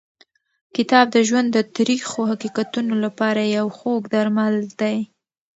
کتاب د ژوند د تریخو حقیقتونو لپاره یو خوږ درمل دی.